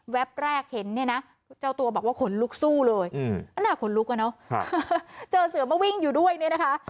แรกเห็นเนี่ยนะเจ้าตัวบอกว่าขนลุกสู้เลยมันน่าขนลุกอะเนาะเจอเสือมาวิ่งอยู่ด้วยเนี่ยนะคะ